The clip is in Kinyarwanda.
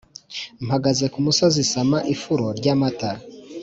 Mpagaze ku gasozi nsama ifuro ry'amata